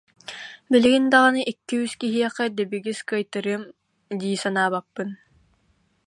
Билигин даҕаны икки-үс киһиэхэ дэбигис кыайтарыам дии санаабаппын